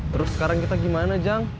terus sekarang kita gimana jang